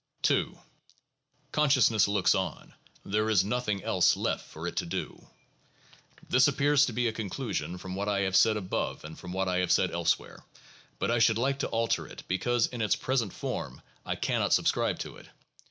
II. "Consciousness looks on; there is nothing else left for it to do." This appears to be a conclusion from what I have said above and from what I have said elsewhere, but I should like to alter it, because, in its present form, I can not subscribe to it.